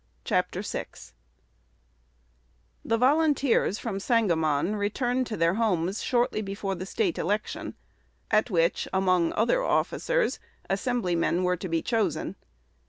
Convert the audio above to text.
CHAPTER VI THE volunteers from Sangamon returned to their homes shortly before the State election, at which, among other officers, assembly men were to be chosen.